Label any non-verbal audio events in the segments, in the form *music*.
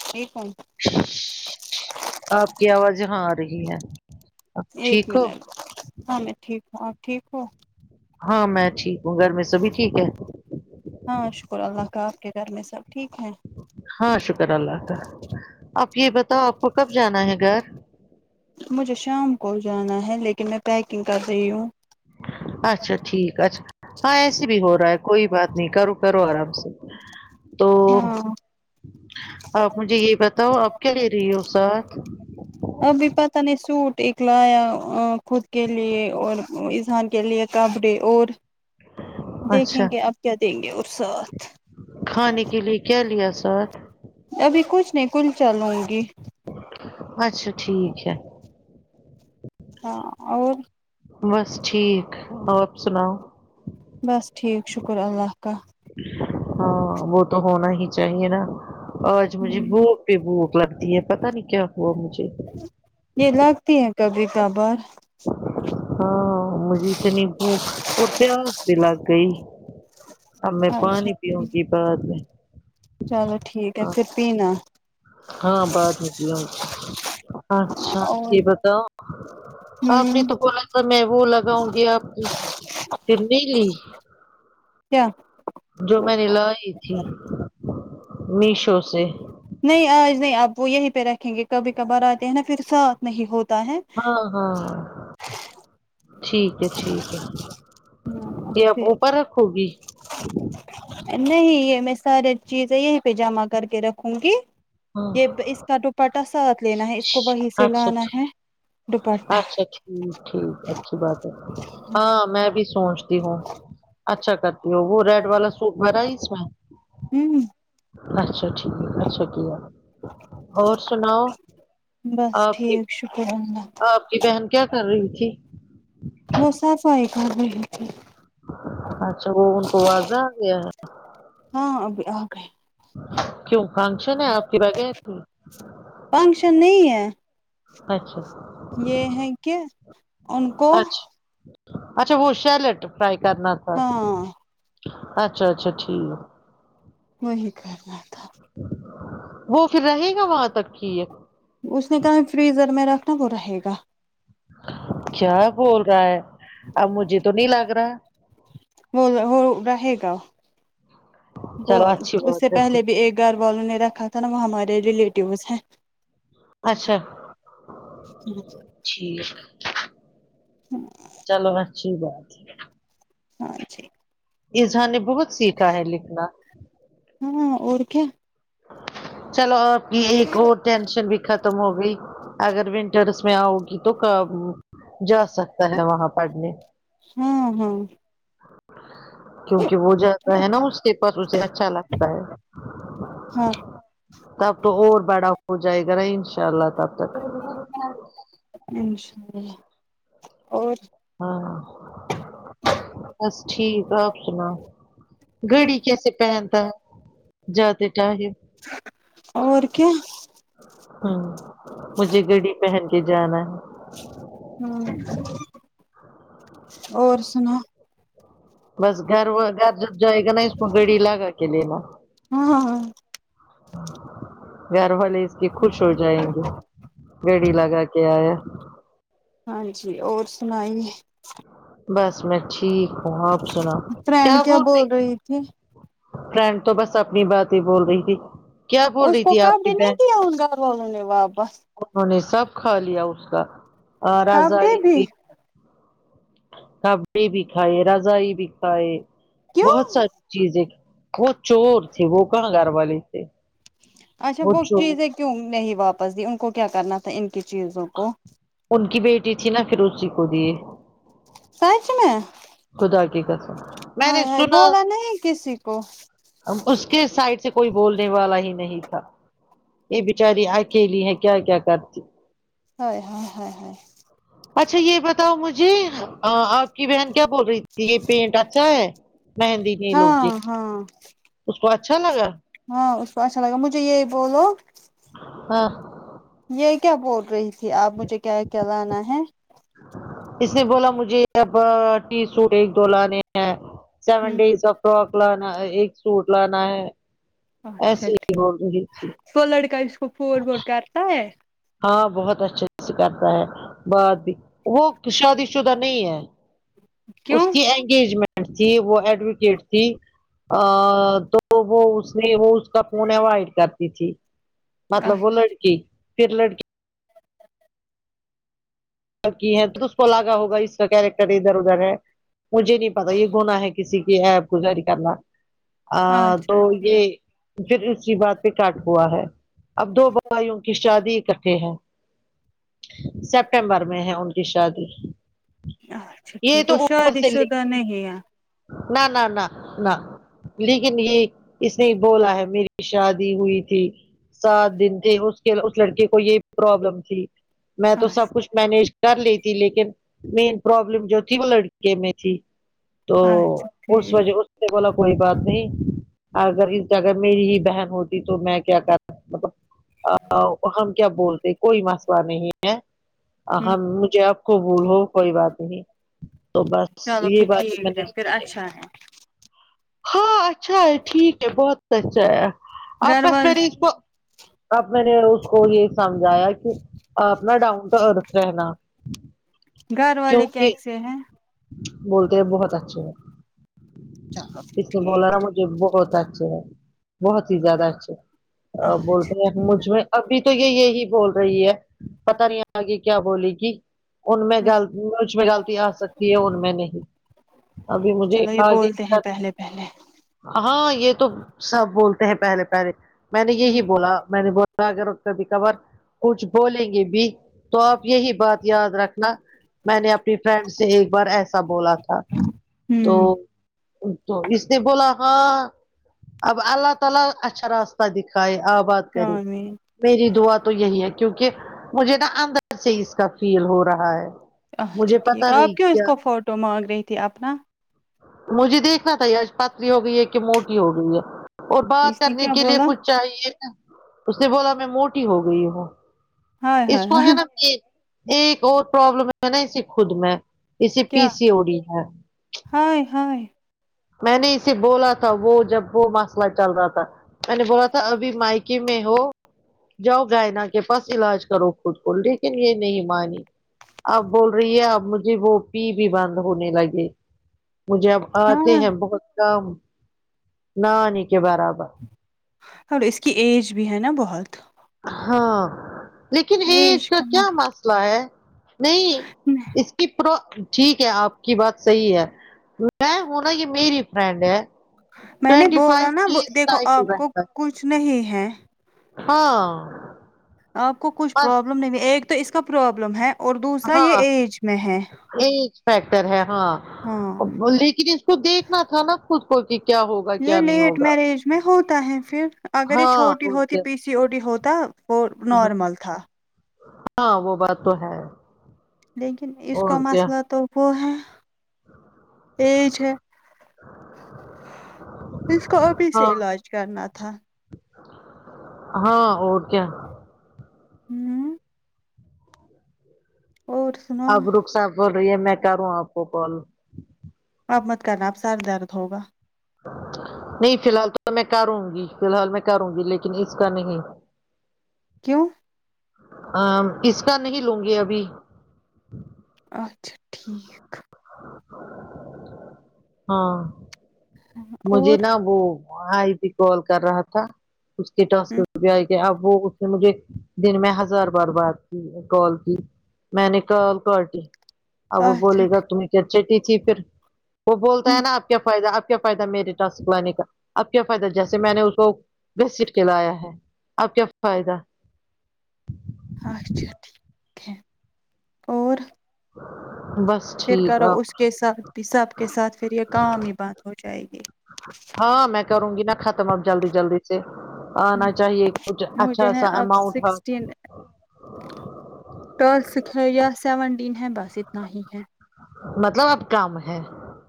*unintelligible* آپ کی آواز یہاں آ رہی ہے آپ ایک ٹھیک ہو منٹ ہاں میں ٹھیک ہوں آ پ ٹھیک ہو ہاں میں ٹھیک ہوں گھر میں سبھی ٹھیک ہے ہاں شکر اللہ کا آپ کے گھر میں سب ٹھیک ہیں ہاں شکر اللہ کا آپ یہ بتاؤ آپ کو کب جانا ہے گھر مجھے شام کو جانا ہے لیکن میں پیکنگ کر رہی ہوں اچھا ٹھیک اچھا ہاں ایسے بھی ہو رہا ہے کوئی بات نہیں کرو کرو آرام سے تو ہاں آپ مجھے یہ بتاؤ آپ کیا لے رہی ہو ساتھ ابھی پتہ نہیں سوٹ ایک لایا ایک خود کے لیے اور اظہان کے لیے کپڑے اور دیکھیں اچھا گے اب کیا دیں گے اور ساتھ کھانے کے لیے کیا لیا سار ابھی کچھ نہیں کل چلوں گی اچھا ٹھیک ہے ہاں اور بس ٹھیک اور آپ بس ٹھیک شکر اللہ کا ہاں وہ تو ہونا ہی چاہیے نا آج مجھے بھوک پہ بھوک لگتی ہے پتا نہیں کیا ہوا مجھے یہ لگتی ہے کبھی کبھار ہاں مجھے اتنی بھوک اور پیاس بھی لگ گئی اب میں اچھا پانی پیوں گی بعد میں چلو ٹھیک ہے ہاں پھر پینا ہاں بات میں پینگو اچھا اور یہ بتاؤ آپ نے ہوں تو بولا تھا میں وہ لگاؤں گی آپ کی پھر نی لی کیا جو میں نے لائی تھی میشو سے نہیں آج نہیں آپ وہ یہیں پہ رکھیں گے کبھی کبھار آتے ہیں نا پھر ساتھ نہیں ہوتا ہے ہاں ہاں ٹھیک ہے ہاں اچھے او پرکھ ہوگی نہیں یہ میں ساری چیزیں یہیں پہ جمع کر کے رکھوں گی ہاں یہ اس کا دوپٹہ ساتھ لینا ہے اس کو وہیں سے اچھا لانا ہے ٹھیک دوپٹہ اچھا ٹھیک ٹھیک اچھی بات ہے ہاں میں بھی سوچ تی ہوں اچھا کرتی ہوں وہ ریڈ والا سوٹ بھرا ہے اس میں ہوں اچھا ٹھیک ہے اچھا کیا اور سناؤ بس آپ کی ٹھیک شکر اللہ آپ کی بہن کیا کر رہی تھی وہ صفائی کر رہی تھی اچھا وہ ان کو واضہ آ گیا ہاں اب آگے کیوں فنکشن ہے آپ کی بغیر تھی فنکشن نہیں ہے اچھا یہ ہے کہ ان کو اچھا اچھا وہ سیلڈ فرائی کرنا تھا ہاں اچھا اچھا ٹھیک وہی کرنا تھا وہ پھر رہے گا وہاں تک کی یہ اس نے کہا فریزر میں رکھنا وہ رہے گا کیا بول رہا ہے اب مجھے تو نہیں لگ رہا وہ وہ رہے گا وہ چلو اچھی اس سے بات ہے پھر۔ پہلے بھی ایک گھر والوں نے رکھا تھا نا وہ ہمارے ریلیٹیوس ہیں اچھا ٹھیک چلو اچھی بات ہے ہاں جی اظہ نے بہت سیکھا ہے لکھنا ہاں اور کیا چلو آپ کی ایک اور ٹینشن بھی ختم ہو گئی اگر ونٹرس میں آؤگی تو کب جا سکتا ہے وہاں پڑھنے ہوں ہوں کیونکہ وہ جاتا ہے نا اس کے پر اسے اچھا لگتا ہے ہاں تب تو اور بڑا ہو جائے گا نا ان شاء اللہ تب تک انشاء اللہ اور ہاں بس ٹھیک آپ سناؤ گھڑی کیسے پہنتا ہے جاتے ٹا ریو اور کیا ہوں مجھے گھڑی پہن کے جانا ہے ہوں اور سناؤ بس گھر گھر جب جائے گا نا اس میں گڑی لگا کے لینا ہاں ہاں گھر والے اس کے خوش ہو جائیں گے گڑی لگا کے آیا ہاں جی اور سنائیے بس میں ٹھیک ہوں آپ سنا کیا فرینڈ بول رہی تھی رہ فرینڈ تو بس اپنی بات ہی بول رہی تھی کیا بول اس رہی کو تھی کپ آپ د کی نہیں بہن کہ آون گھر والون واپس *unintelligible* انہوں نے سب کھا لیا اس کا ارضاۓ بھی کبڑی بھی کھائے رضائی بھی کھائے کیوں بہت ساری چیزیں بت چور تھے وہ کہاں گھر والے تھے اچھا وہ چیزیں کیوں نہیں واپس دی ان کو کیا کرنا تھا ان کی چیزوں کو ان کی بیٹی تھی نا پھر اسی کو دیے سچ میں خدا کی قسم میں ہاے نے ہاے سنا بولا نہیں کسی کو اس کے سائڈ سے کوئی بولنے والا ہی نہیں تھا یہ بچاری اکیلی ہے کیا کیا کرتی ہاے ہاے ہاے ہاے اچھا یہ بتاؤ مجھے ہاں آپ کی بہن کیا بول رہی تھی یہ پینٹ اچھا ہے مہندی نہیں لوگ ہاں کی ہاں اس کو اچھا لگا ہاں اس کو اچھا لگا مجھے یہی بولو ہاں یہ کیا بول رہی تھی آپ مجھے کیا کہلانا ہے اس نے بولا مجھے اب ٹی سوٹ ایک دو لانے ہیں سیون ہوں ڈیز آف فروک لانا ہے ایک سوٹ لانا ہے اچھا ایسے ٹھیک ہی بول رہی تھی تو لڑکا اس کو فور وور کرتا ہے ہاں بہت اچھے سے کرتا ہے بات بھی وہ شادی شدہ نہیں ہے اس کیوں کی انگیجمنٹ تھی وہ ایڈوکیٹ تھی ا تو وہ اس نے وہ اس کا فون اوائڈ کرتی تھی مطلب وہ لڑکی پھر لڑکی کی ہے تو اس کو لگا ہوگا اس کا کیریکٹر ادھر ادھر ہے مجھے نہیں پتا یہ گناہ ہے کسی ایب گزاری کرنا تو اچھا یہ ٹھیک پھر اسی بات پہ کاٹ ہوا ہے اب دو بھائیوں کی شادی اکٹھے ہیں سپٹمبر میں ہے ان کی شادی اچھا یہ ٹھیک تو اوپر شادی سے شودہ نہیں ہے نہ نہ نہ نہ لیکن یہ اس نے بولا ہے میری شادی ہوئی تھی سات دن تے اس کے اس لڑکے کو یہ پرابلم تھی میں تو سب اچھا کچھ مینج کر لیتی لیکن مین پرابلم جو تھی وہ لڑکے میں تھی تو اچھا اس ٹھیک وجہ اس مے کو کوئی بات نہیں اگر اگر میری ہی بہن ہوتی تو میں کیا کرتا مطلب ہم کیا بولتے کوئی مسئلہ نہیں ہے ہوں ہم مجھے آپ کو بھولو کوئی بات نہیں تو بس چلو یہ پھر بات ہے میں ٹھیک نے پھر اچھا ہے ہاں اچھا ہے ٹھیک ہے بہت اچھا ہے اب گھر بس وال میں نے اس کو اب میں نے اس کو یہ سمجھایا کہ آپ نا ڈاؤن ٹو ارتھ رہنا گھر والے کیونکہ کیسے ہیں بولتے ہیں بہت اچھے ہیں چلو پھر اس نے بولا ٹھیک نا مجھے بہت اچھے ہے بہت ہی زیادہ اچھے بولتے ہیں مجھ میں ابھی تو یہ یہی بول رہی ہے پتا نہیں آگے کیا بولے گی کہ ان میں غط مجھ میں غلطی آ سکتی کیے ان میں نہیں ابھی مجھے چلو یہ آگے بولتے ہیں تک پہلے پہلے ہاں یہ تو سب بولتے ہیں پہلے پہلے میں نے ہوں یہی بولا میں نے بولا اگر وه کبھی کبار کچھ بولیں گے بھی تو آپ ہوں یہی بات یاد رکھنا میں نے اپنی فرینڈس سے ایک بار ایسا بولا تھا تو تو اس نے بولا ہاں اب اللہ تعالی اچھا راس تہ دکھائے آباد کرے آمین میری دعا تو یہی ہے کیونکہ مجھے نا اندر سے اس کا فیل ہو رہا ہے اچھا مجھے ٹھیک پتا نہیں آپ کیوں اس کیا کو فوٹو مانگ رہی تھی اپنا مجھے دیکھنا تھا یج پتلی ہو گئی ہے کہ موٹی ہو گئی ہے اور بات اس نے کرنے کیا کے لئے بولا کچھ چاہیے نا اس نے بولا میں موٹی ہو گئی ہوں ہائے اس ہائے کو ہائے ہے نا ایک ایک اور پرابلم ہے نا اسے خود میں اسے کیا پیسی او ڈی ہے ہائے ہائے میں نے اسے بولا تھا وہ جب وہ مسئلہ چل رہا تھا میں نے بولا تھا ابھی میکے میں ہو جاؤ گائنا کے پاس علاج کرو خود کو لیکن یہ نہیں مانی اب بول رہی ہے اب مجھے وہ پی بھی بند ہونے لگے مجھے اب ہاں ہیں بہت کم نہ آنے کے برابر اور اس کی ایج بھی ہے نا بہت ہاں لیکن ایج کا کیا مسئلہ ہے نہیں اس کی پرو ٹھیک ہے آپ کی بات صحیح ہے میں ہوں نہ یہ میری فرینڈ ہے میں نے ٹوینٹی بولا فائیو نا وہ کی دیکھو آپ سائیکل کو رہتا ہے، کچھ نہیں ہے ہاں آپ کو کچھ بس پرابلم نہیں ایک تو اس کا پرابلم ہے اور دوسرا ہاں یہ ایج میں ہے ایج فیکٹر ہے ہاں ہاں لیکن اس کو دیکھنا تھا نا خود کو کہ کیا ہوگا یہ کیا نہیں لیٹ ہوگا میرج میں ہوتا ہے پھر اگر یہ ہاں چھوٹی اور ہوتی کیا پی سی او ڈی ہوتا وہ نارمل تھا ہاں وہ بات تو ہے لیکن اس کا اور کیا مسئلہ تو وہ ہے ایج ہے اس کو ابھی ہاں سے علاج کرنا تھا ہاں اور کیا ہوں اور سناؤ اب رخسار بول رہی ہے میں کروں آپ کو کال اب مت کرنا اب سر درد ہوگا نہیں فی الحال تو میں کروں گی فی الحال میں کروں گی لیکن اس کا نہیں کیوں آں اس کا نہیں لوں گی ابھی اچھا ٹھیک ہاں مجھے اور نا وہ آئی بی کال کر رہا تھا اس کے ٹاسک آئی گی اب وہ مجھے دن میں ہزار بار بات کی کال کی میں نے کال کٹی اب وہ اچھا بولے گا تمہیں چ چٹی تھی پھر وہ ٹھیک، بولتا ہے نا آپ کیا فائدہ اب اب کیا فائدہ میرے ٹاسک لانے کا اب کیا فائدہ جیسے میں نے اس کو گھسیٹ کے لایا ہے اب کیا فائدہ اچھا ٹھیک ہے اور بس پھر ٹھیک کرو اس کے ساتھ بھی سب کے ساتھ پھر یہ کام ہی بند ہو جائے گی ہاں میں کروں گی نا ختم اب جلدی جلدی سے آنا چاہیے کچھ اچھا سا اماؤنٹ ہ ٹاسک یا سیونٹین ہے بس اتنا ہی ہے مطلب اب کم ہے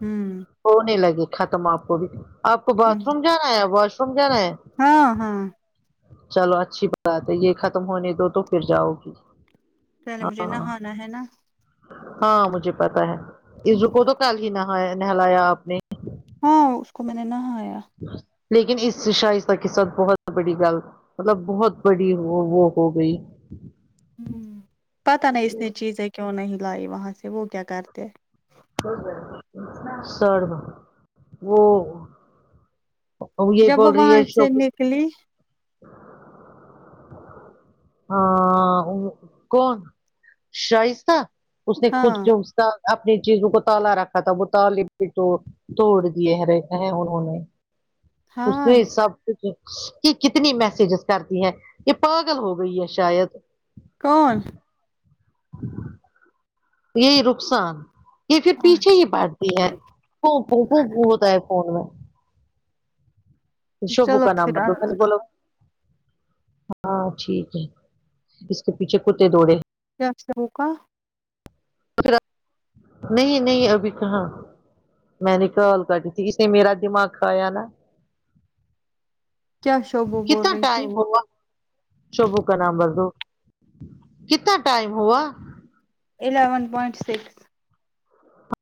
ہوں ہونے لگے ختم آپ کو بھی آپ کو باتھ روم جانا ہے واش روم جانا ہے ہاں ہاں چلو اچھی بات ہے یہ ختم ہونے دو تو پھر جاؤ گی پہلے مجھے نہانا ہے نا ہاں مجھے پتا ہے ازو کو تو کل ہی نہایا نہلایا آپ نے ہاں اس کو میں نے نہایا لیکن اس شائستہ کے ساتھ بہت بڑی گل مطلب بہت بڑی وہ وہ ہو گئی ہوں پتا نہیں اس نے چیزیں کیوں نہیں لائی وہاں سے وہ کیا کرتے سرما وہ یہی بول رہی ہے کلیج ہاں ہاں کون شائستہ اس نے خود ہاں کیوں اپنی چیزوں کو تالا رکھا تھا وہ تالے تو توڑ دیے رہتے ہیں انہوں نے اس ہاں میں سب کچھ کہ کتنی میسجز کرتی ہے یہ پاگل ہوگ ہوئی ہے شاید کون یہی رخسار یہ پھر پیچھے اچھا ہی پڑ تی ہے پک پک ہوتا ہے فون میں شوبو چلو کا نام پھر بتادو کیا پہلے بولو ہاں ٹھیک ہے اس کے پیچھے کتے دوڑے کیاس سے ہوکا پھر نہیں نہیں ابھی کہاں میں نے کال کر دی تھی اس نے میرا دماغ کھایا نا کیا شوبول کتنا ٹائم ہوا شوبو کا نام رکدوکتنا ٹائم ہوا الیون پوائنٹ سکس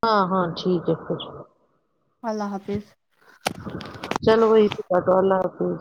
ہاں ہاں ٹھیک ہے پھر اللہ حافظ چلو وہی سے بات اللہ حافظ